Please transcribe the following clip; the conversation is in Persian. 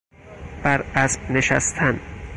بر اسب نشستن